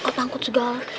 kau tangkut segala